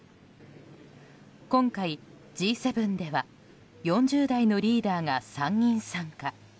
今回、Ｇ７では４０代のリーダーが３人参加。